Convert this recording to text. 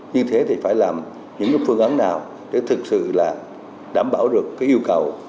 như thế thì phải làm những phương án nào để thực sự là đảm bảo được cái yêu cầu